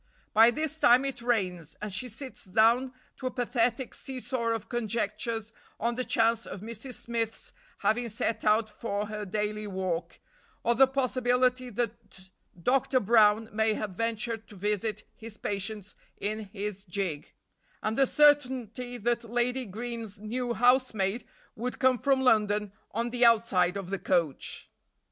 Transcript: By this time it rains, and she sits down to a pathetic see saw of conjectures on the chance of Mrs. Smith's having set out for her daily walk, or the possibility that Dr. Brown may have ventured to visit his patients in his gig, and the certainty that Lady Green's new housemaid would come from London on the outside of the coach....